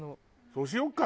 そうしようか？